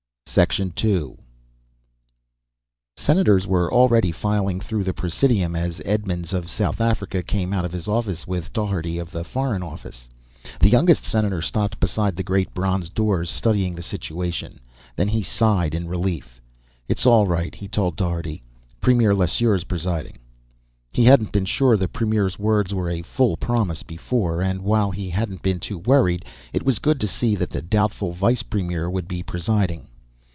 II Senators were already filing through the Presidium as Edmonds of South Africa came out of his office with Daugherty of the Foreign Office. The youngest senator stopped beside the great bronze doors, studying the situation. Then he sighed in relief. "It's all right," he told Daugherty. "Premier Lesseur's presiding." He hadn't been sure the premier's words were a full promise before. And while he hadn't been too worried, it was good to see that the doubtful vice premier wouldn't be presiding.